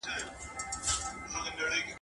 د زلمیو شپو مستي مي هري وني ته ورکړې !.